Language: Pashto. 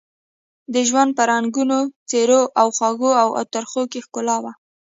د ژوند په رنګونو، څېرو او خوږو او ترخو کې ښکلا وه.